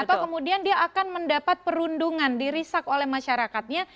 atau kemudian dia akan mendapat perundungan dirisak oleh masyarakatnya